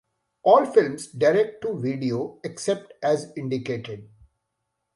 All films direct to video, except as indicated.